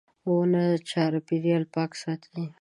• ونه چاپېریال پاک ساتي.